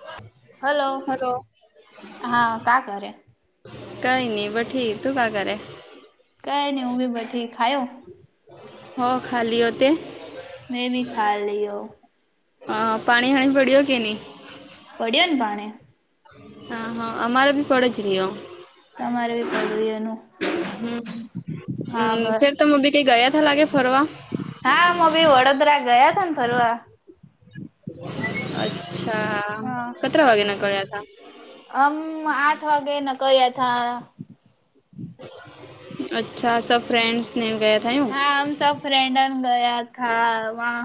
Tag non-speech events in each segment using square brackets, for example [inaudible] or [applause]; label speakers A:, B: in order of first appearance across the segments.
A: [unintelligible]
B: Hello હા ક્યા કરે.
A: કઈ નહી બઠી તું ક્યા કરે
B: કંઈ નઈ ઉ બી બઠી ખાયો.
A: હ, ખાલી ઓતે.
B: મેં ભી ખા લહી હ
A: હા પાણી હાણી પડી્યો કે ન
B: પડ્યું ને પાણી.
A: હા હા અમારે ભી પડે જ રહી્યો
B: તમારે બી પડ્યુંનું
A: [unintelligible]
B: હા બર
A: તો બી કંઈ ગયા ત લાગે ફરવા.
B: હા, મ બી વડોદરા ગયા હતા ને ફરવા.
A: અચ્છા, કેટલા વાગ્યા નાકળ્યા હતા?
B: હમ, આઠ વાગે ન કર્યા તા.
A: અચ્છા, સબ ફ્રેન્ડ્સ ગયા હતા એમ.
B: હા, હમ સબ ફ્રેન્ડન ગયા થા.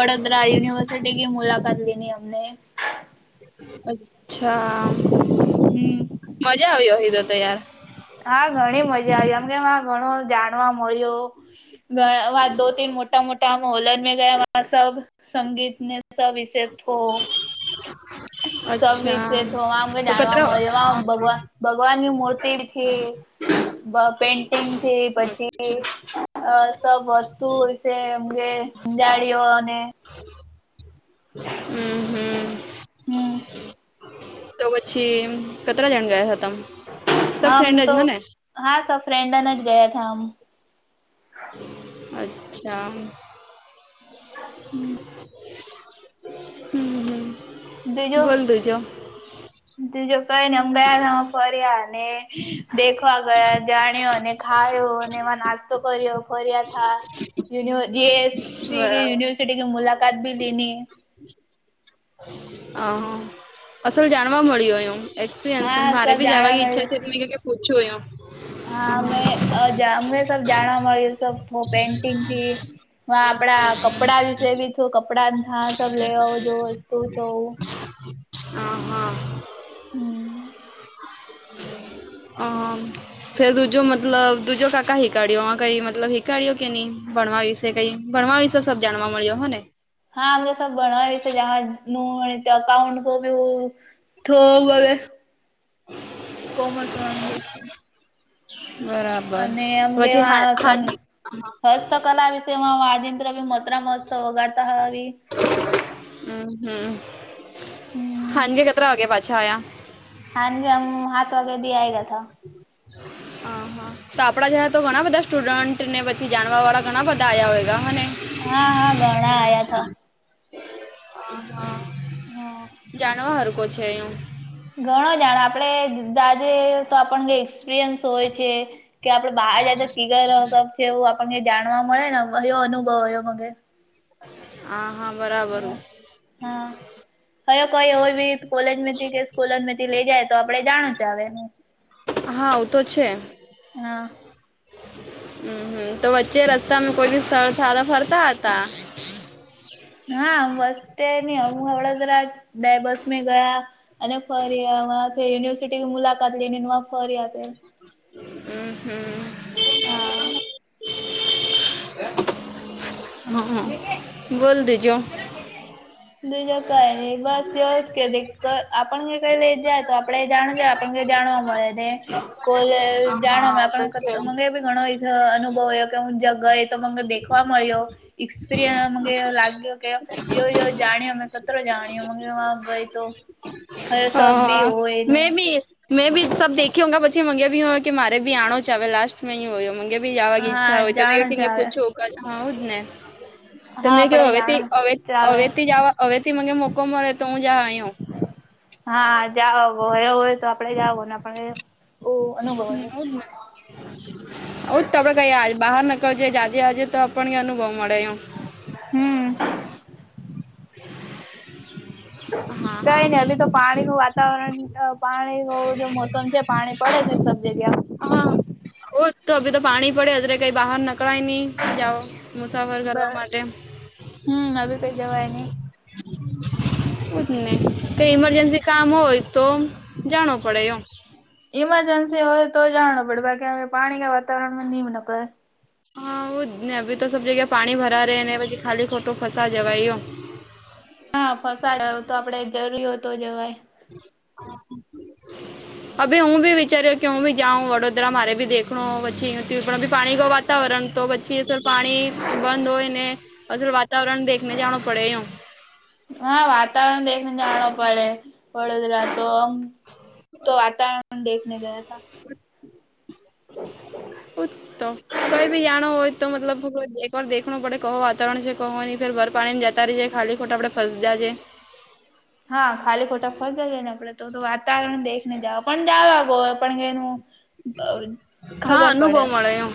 B: વડો યુનિવર્સિટીની મુલાકાત લીધી હતી.
A: અચ્છા,
B: હમ
A: મજા આવી હોય, હે તો યાર.
B: હા, ઘણી મજા આવી. એમ કેમ? આ ઘણું જાણવા મળ્યું. ઘણા વા દો તીન, મોટા મોટા મોલ ને ગયા, સબ સંગીત ને. એ વિશેષ થ [unintelligible] સ
A: અચ્છા
B: વિશે તો અમે
A: તો
B: જાણવા
A: કતરા
B: મળ્યું, ભગવાન ની મૂર્તિ. [unintelligible] તું
A: અચ્છા
B: હોય છે, એમ કેંજાડીઓ અને
A: હ [unintelligible]
B: હમ
A: તો પછી કેટલા જણ ગયા હતા? સબ
B: આમ
A: ફ્રેન્ડ જ
B: તો
A: હ ને
B: હા સ ફ્રેન્ડન જ ગયા છે આમ.
A: અચ્છા. હમ, હમ.
B: બીજો
A: બોલ બીજો
B: બીજો કંઈને અમે ગયા માં ફર્યા ને દેખવા ગયા, જાણ્યો અને ખાયો અને એમાં નાસ્તા કર્યો ફર્યા યુનિ જેએસસી
A: બરાબર
B: ટી મુલાકાત બી લીધી.
A: હ, અસલ જાણવા મળ્યું એમ. એક્સપિરયસ
B: હા
A: મારે
B: સબ
A: ભી જાવા
B: જાણવા
A: ઈચ્છ
B: મળ્યું
A: છે, ત ક કે પૂછ્યું એમ
B: હા, અમે અમને સ જાણવા મળ્યું, પેન્ટિંગથી. હ,
A: હમ
B: આપડા કપડા વિશે બી છું. કપડા, હ સ લેવા જો વસ્તુ છે.
A: હમ, હા.
B: હમ
A: હ. ફેર દૂજો, મતલબ દીજો. કાકા હીકાડ્યો? કંઈ મતલબ, હિકાડ્યો કે નહીં? બણવાવીશ. કઈ ભણવા વિશે સબ જાણવા મળ્યો હો ને.
B: હા, અમ તો સબ બનાય છે જ ને, અકાઉંન્ટ કો થો હવે કોમર્સ વાળા છું.
A: બરાબર.
B: એમ
A: પછી
B: કેવા
A: હા
B: માં વાજિંત્ર મતરા મસ્ત વગાડતા હ આવી.
A: હમ,
B: હમ
A: હાજે કેટલા વાગે પાછા આવ્યા?
B: સાંજે હાથ વગરે દે આવ્યા હતા.
A: હ, હા. તો આપણા જરા, તો ઘણા બધા સ્ટુડેન્ટને, પછી જાણવા વાળા ઘણા બધા આયા હોય, હને.
B: હા હા ઘણા આયા થા
A: હ હા
B: [unintelligible]
A: જાણવા હરકો છે એ.
B: ઘણો જાણ આપડે દાદે તો આપણ કઈ એક્સપિરિયન્સ હોય છે. કે આપડે બહાર જાય તો કીગ છે, એવું આપણને જાણવા મળે ને, એયો અનુભવયો મગ
A: હા, હા, બરાબર.
B: હા. હવે, કોઈ હોય, બી કોલેજથી કે સ્કૂલમાંથી લઇ જા, ય તો આપડે જાણું હ. [unintelligible]
A: હા, ‌આવુ તો છે. હમ, હમ. તો વચ્ચે રસ્તા માં કોઈ બી સ્થળે, સારા ફરતા હતા.
B: હા, બસ. અત્યારે ન હ વડોદરા બે બસ ગયા અને ફરયા યુનિવર સિટીની મુલાકાત લઈને ન આ ફરીયા આયાં.
A: હમ્મ હમ્મ.
B: હા.
A: હા હા બોલ બીજું.
B: બીજા કઈ બસ એ કે આપણ ક કઈ લઈ જાય તો આપડે જાણજ જાણવા મળે ને કો
A: હા હા
B: જાણવા
A: આવું તો છે
B: મળ મ ઘણો અનુભવયો કે હું જગા એ તો મ દેખવા મળ્યો. એક્સપિરિયન્સ લાગ્યો કે યો અમે કતરો જાણીએ ગઈ તો. હવે
A: હ
B: સબ બી
A: હ
B: હોય
A: મે
B: એનું
A: બી મે બી સબ દેી હોંગા પછી મંગ્યા ભી હોય કે [unintelligible] બી જવાની ઈચ્છા
B: હા
A: હોય તમે ક
B: જાણ જ આવે
A: પૂછો હા હો જ ને.
B: હા
A: તમે કે
B: આપડે
A: હવેથી
B: જાણ
A: હવે
B: ચાલે
A: હવેથી જવા હવેથી મને મોકો મળે તો હું જ યો.
B: હા જા હયો હોય તો આપડે જો ને. ઓ અનુભવ
A: હમ્મ. હજ આપડે કઈ બહાર નકળજે જાજે આજે તો આપને અનુભવ મળે એ.
B: હમ્મ.
A: હા હા.
B: કઈ નઈ અભી તો પાણી નું વાતાવરણ પાણી ન જો મોસમ છે પાણી પડે ને સબ જગ્યા.
A: હા ઓ તો અભી તો પાણી પડેજરે કઈ બહાર નકળાય નહી. જાઓ મુસાફર
B: બ
A: કરવા માટે
B: હમ અભી કઈ જવાય નહી
A: જ નહી કઈ ઇમરજન્સી કામ હોય તો જાણો પડે એ.
B: ઇમરજન્સી હોય તો જાણ પડે બાકી પાણી ના વાતાવરણ માં નીમ નકળે.
A: હા હું જ ને હી તો સબ જગ્યા પાણી ભરા રે ને પછી ખાલી ખોટો ખસા જવા યો.
B: હા ફસાયય તો આપડે જરૂરી હોતો જવાય.
A: અભી હું બી વિચાર્યો કે હુંબી જાવ વડોદરા મારે ભી દેખ પચછી પાણી ગવા વાતાવરણ તો પછી અર પાણી બંધ હોય ને અર વાતાવરણ દેખને જાણું પડે એ.
B: હા વાતાવરણ દેખને જાણ પડે વડોદરા તો તો વાતાવરણ દેખને ગયા થ.
A: ઉ તો કઈ ભી જાણો હોય તો મતલબ એકવારેખું પડે કહવો વાતારણ છે કહો નહીંર પાણી જતા ર જાય ખાલી ખોટા આપડે ફસાય જાયજે.
B: હા ખાલી ખોટા ફ જ જએ ને આપડે. તો તો વાતાવરણ દેખને જાાવ પણ જાાવગો પણ કેનું
A: હા
B: ખબર પડે
A: અનુભવ મળે એમ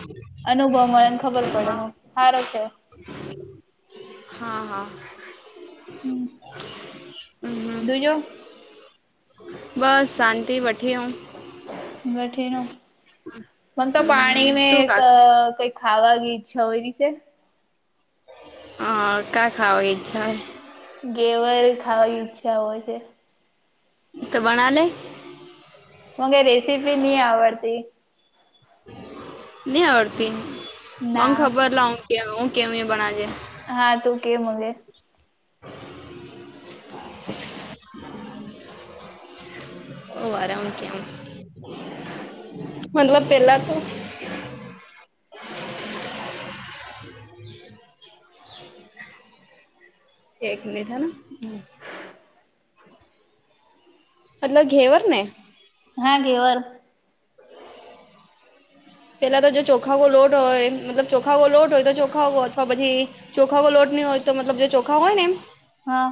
B: અનુભવ મળેને ખબર પડે
A: હા
B: ન સારો છે.
A: હા હા. હમ
B: જૉ
A: બસ શાંતિ વઠી [unintelligible] અ.
B: બેઠી હું મન તો
A: હમ
B: પાણીને
A: તું
B: એક
A: કા
B: કંઈક ખાવા ગી ઈચ્છા હોય રીસેસ
A: હ કા ખાવા ઈચ્છા
B: ઘેવર ખાવાની ઈચ્છા હોય છે.
A: તો બનાઇ લે.
B: મગ એ રેસીપી નની આવડતી.
A: ને આવડતી મંગ
B: ના
A: ખબર લાવ કે હું કેમ બણાજે.
B: હા તું કેમે.
A: [inaudible] ઓહ વારે ઉ કેવુ મતલબ પેલા તો એક મિનટ હેના હમ્મ. મતલબ ઘેવરને?
B: હા ઘેવર.
A: પેલા તો જો ચોખાગો લોટ હોય મતલબ ચોખાગો લોટ હોય તો ચોખાવો અથવા પછી ચોખાગો લોટ નહીં હોય તો મતલબ જે ચોખા હોય ને
B: હા.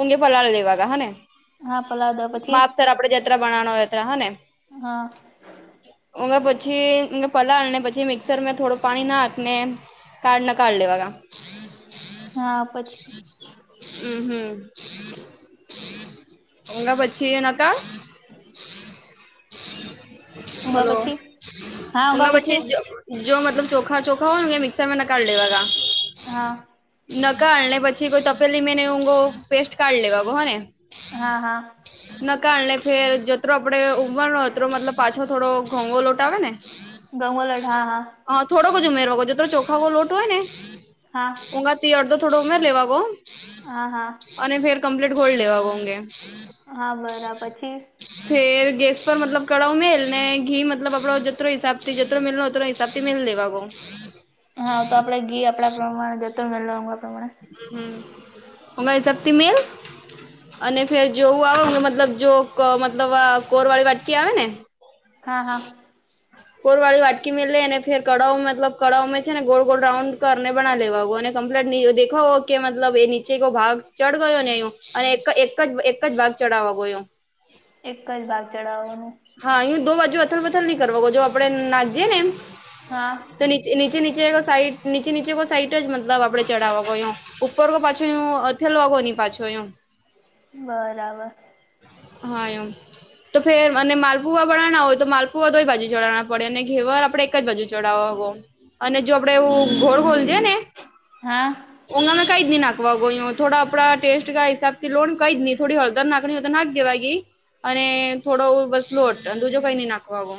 A: ઊઘે પલાળ લેવા ગ હા ને
B: હા પલાવ દો પછી
A: માપ ત આપડે જ ત્રા બનાવણો રેતા હને!
B: હ.
A: ઓમે પછી પલાળ અને પછી મિક્સરમાં થોડું પાણી નાખને કાઢને કાળ લેવા ગા.
B: હા પ
A: અમ હમ્મ. ઓમે પછી એ નકા.
B: ઊંઘા
A: હલો.
B: પછી હા
A: ફણગા
B: ઊંઘા
A: પછી જો મતલબ ચોખા ચોખા હોય ને મિક્સરમાં કાળ લેવા ગા.
B: હા.
A: નકાળ ને પછી કોઈ તપેલી મેં ને ઓવ ગો પેસ્ટ કાઢી લેવાગો હ ને.
B: હા હા.
A: નકાળ ને ફેર જતરો આપડે ઉબાલનો અતરો મતલબ પાછો થોડો ઘઉ વો લોટ આવેને હ [unintelligible]
B: ઘઉ વો લોટ આવે હા.
A: હ થોડોક જ ઉમેરવો જતરો ચોખા ગો લોટ હોય ને.
B: હા.
A: ઉગાથી અડધો થોડો ઉમેર લેવા ગો.
B: આ હા.
A: અને ફેર કમ્પ્લીટ ઘોડ લેવાગોગે.
B: હા બરા પછી?
A: ફેર ગેસ પર મતલબ કળાઉ મેલ ને ઘી મતલબ આપડો જ તરો હિસાબથી જતરો મેલનો અતરો હિસાબથી મેલ લેવાગો.
B: હા તો આપડે ઘી આપણા પ્રમાણે જતરો મેલનો વા પ્રમાણે
A: અમ હમ્મ હમણાં હિસાબથી મેલ. અને ફેર જોવું આવ મુ મતલબ જો મતલબ વા કોરવાળી વાટકી આવે ને.
B: હા હા.
A: કોરવાળી વાટકી મેલની અને ફીર કળાઓ મતલબ કળાઉ મેછે ને ગોળ ગોળ રાઉન્ડ કરને બનાઉ લેવાગો અને કમ્પ્ટ ને યો દેખાઓ કે મતલબ એ નીચે કો ભાગ ચડ ગયો ને યો અને એક એક એ જ જ ભાગ ચઢાવા ગયો યો.
B: એક જ ભાગ ચઢાવાનું.
A: હા યુ દો બાજુ અથર વથલ ની કરવાગો જો આપડે નાજીએને
B: હા.
A: તો નીચ નીચે નીચે નીચે સાઈટ નીચે નીચે કો સાઈટ જ મતલબ આપણે ચડાવા ગો યો. ઉપર રો પાછો અથેલોગો ની પાછો યો.
B: બરાબર.
A: હા યો તો ફીર અને માલપુવા બનાવણા હોય તો માલપુવા દોય બાજુ ચડાવના. પડે અને ઘેવર આપડે એક જ બાજુ ચડાવવા ગો અને જો આપડે એવું ઘોળ ઘોલ દેયેને.
B: હા
A: ઓનામાં કઈ જ નહી નાખવા ગોય થોડા આપડા ટેસ્ટ હિસાબથી લો કઈ જ નહી થોડી હ દર નાખણી હોય તો નાખ દેવા ગઈ અને થોડો બસ લોટ દુજો કાઈ નઈ નાખવા આવો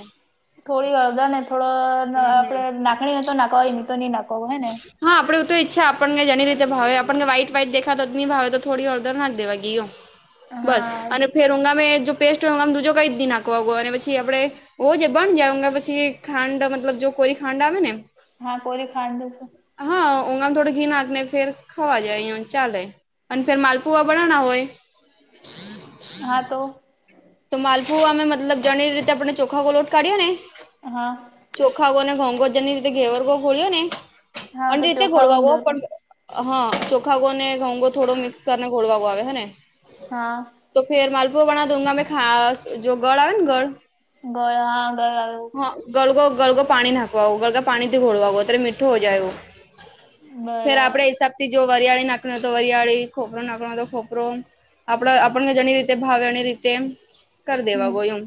B: થોડી હળદર ને થોડો
A: હમ હમ
B: આપડે નાખણી તો નાખવાય ન તો નહી નાખું હે ને
A: હા આપડેું તો ઈચ્છા આપણને જેની રીતે ભાવે આપણ કે્હાઈટ વહાઈટ દેખા જ નહી ભાવે તો થોડી હળદર નાખ દેવા ગયો બસ
B: હા
A: અને ફેર ઉઊગામે જો પેસ્ટ હોયમે દીજો કઈ નાખવા આવગો અને પછી આપડે ઓજ બન જાય ઊ પછી ખાંડ મતલબ જો કોરી ખાંડ આવે ને
B: હા કો
A: હા ઉગણ થોડો ઘી નાખને ફેર ખાવા જાય અ ચાલે અને ફેર માલપુવા બનાના હોય
B: [inaudible] હા તો
A: તો માલફુ અમે મતલબ જાણી રીતે આપણે ચોખા ગોલોટ કાઢ્યો ને
B: હા
A: ચોખાઓ અને ઘોંઘો જેની રીતે ઘેવરગો ઘોળ્યો ને
B: હા
A: અને
B: તો
A: રીતે
B: ચોખા કોણ
A: ઘોળવા
B: ગયો હતો
A: પણ હા ચોખાગો ને ઘઉંંગો થોડો મિક્સ કરીને ઘોળવાો આવે હે ને
B: હા
A: તો ફેર માલપુર બના દઉંગા મેં ખ જો ગઢ આવે ને ગઢ
B: ગળ ગળું
A: હા ગળગો ગળગો પાણી નાખવા ગળગા પાણી થી ઘોળવાો અત્યારે મીઠું હો જાયવું ફેર
B: બરાબર
A: આપડે હિસાબ થી જો વરિયાળી નાખણી હોય તો વરિયાળી ખોપરો નાખનો હો તો ખોપરો આપડ આપણ જેણી રીતે ભાવે એની રીતે કર
B: હમ
A: દેવાગો એમ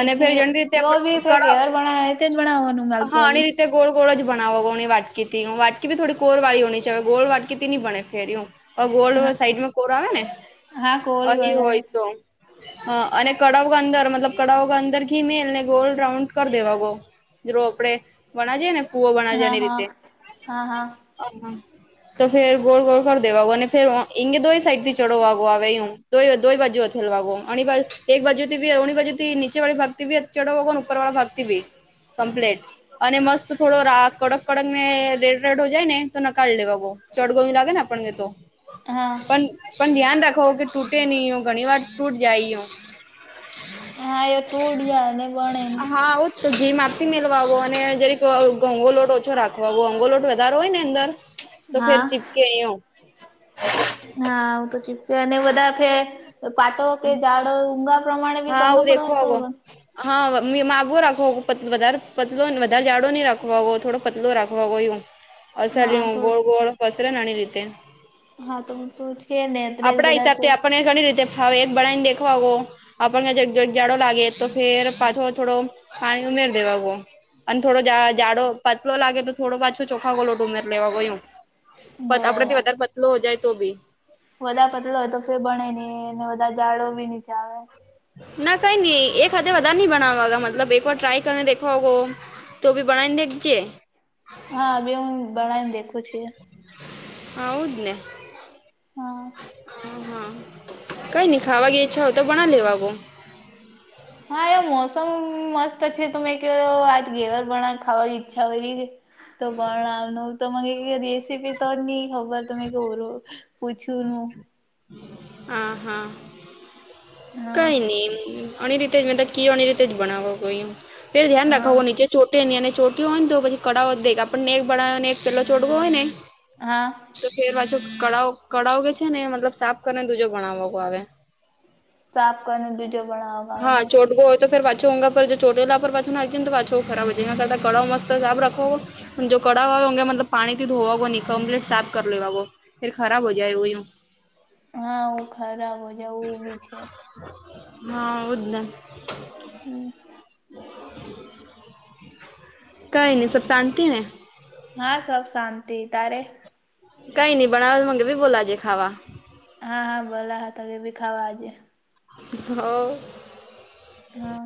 A: અને ફેર જેની રીતે
B: યો
A: આપણે
B: બી
A: કડા
B: ઘર ભણાવ તે ભણાવવાનું માલ
A: હા એની રીતે ગોળ ગોળ જ બનાવોોની વાટકીથીું વાટકી ભી થોડી કોર વાી હોની ચ ગોળ વાટકી ની બને ફેર ું ગોડ
B: હા
A: સાઈડમાં કોરા આવે ને
B: હા કોરી
A: અહી
B: વગેરે
A: હોય તો હ અને કડાાવ અંદર મતલબ કડાાવ અંદર ઘીમેલને ગોલ રાઉન્ડ કરી દેવા ગો આપડે વણ જએ ને ફુવો વણજેએ
B: હા
A: એની
B: હા
A: રીતે
B: હા હા
A: તો ફેર ગોળ ગોળ કરી દેવાગો અને ફેર એંગે દોઈ સાઈડ થી ચડવા વાગો આવે એમ તો દોહી ભાજી હોતલ વાગો અ બા એક બાજુ થી અણી બાજુ થી ચે વાળી ભાગતી ચડોગ ઉપર વાળ ભાગતી કમ્પ્લેન્ટટ અને મસ્ત થોડો રા કડક કડક ને રેડ રેડ હો જાય ને તો નકારળી લેવા બહ ચઢ ગમ લાગે ને પણ ગતો
B: હા
A: તો પણ પણ ધ્યાન રાખો કે તૂટે નહીિ હો ઘણી વાર તૂટ જાયઓ
B: હા એ તૂડ જ ને ગણે
A: હા હો જ તો ઘીમ આપી મેલવાો અને જરી ઘંગો લોટ ઓછો રાખવા અંગો લોટ વધારે હોય ને અંદર તો
B: હા
A: ફેર ચિપકે આય હ
B: હાું તો ચી અને બધા પતવ કે જાડ ઊંગા પ્રમાણે બી
A: હા
B: કર
A: હું
B: પડ
A: દેખો હોગો
B: તોગ
A: હા માગો રાખવાો વધારે પતલો વધારે જાઝાડો નહી રાખવવો થોડો પતલું રાખવા ગયું
B: હા
A: અસલી હું
B: થોડું
A: ગોળ ગોળ કસરે નાની રીતે
B: હા તો હું તો છે ને ત્રેસ
A: આપડા
B: કલાક
A: હિસાબથી આપણને ઘણી રીતે હ એક બનાને દેખવા કો આપણનેગ જાડો લાગે તો ફેર પાછો થોડો પાણી ઉમેર દેવાવો અને થોડો જાાડો પતલો લાગે તો થો પાછો ચોખા ગોલો ડુંમર લેવા ગયોું આપડા થી વધારે પતલો હો જાય તો બી
B: વધધા પતલો હોય તો ફે ભણે નહીને બધા જાઝાડો બી નીચા આવે
A: ના કઈ નઈ એ હાથે વધારે નઈ બનાવાગા મતલબ એક વાર ટ્રાય કરીને દેખવાગો તો ભી બનાાયને દેખજએ
B: હા બે હું બણને દેખું છી
A: હા ઉ જ ને હ
B: હા
A: હા કઈ નઈ ખાવા ગચ્છા હો તો બનાવી લેવાનુ
B: હા એ મોસમ મસ્ત છે તમેં ક આજ ઘેવર પણ ખાવાની ઈચ્છા હોય ર છે તો પણનું તો મને રેસીપી ત નની ખબર તમે કેવર પૂછ્યું ન
A: હા હા
B: હા
A: કઈ નહી એની રીતે જ મેં ક એ રીતે જ બનાવોમે ધ્યાન
B: હા
A: રાખવો નીચે ને ચોટ્યું હોય ને તો પછી કાવ હો દે આપણને એક બડાો ને એક પેલો ચોટવો હોય ને
B: હા
A: તો ફેર પાછો કળ કળાવ જે છે ને મતલબ સાફ કરીને દૂજો ગણાવવા આવે
B: સાફ કરીને બીજો પણ
A: હા ચોટ ગો તો પાછોું પર જો ચોટ લલા પર પાછા ના તો પાછો ખરાબ હોના કરતા ગળા મસ્ત સાફ રાખોવો હ જો કડાા હોે મતલબ પાણીથી ધોવાો ન કમપ્લીટ સાફ કર લેવાો ફર ખરાબ હો જાય યું
B: હા હ ખરાબ હો જવું બી છે
A: હા એઉજને
B: હમ
A: કઈ નહી સબ શાંતિ ને
B: હા સબ શાંતિ તારે
A: કઈ ન બના મગી બોલાજે ખાવા.
B: હા હા બોલા હા ત કે ભી ખાવા આજે
A: હ
B: હા